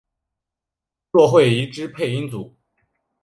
骆慧怡之配音组。